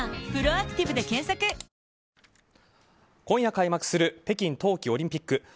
今夜開幕する北京冬季オリンピック。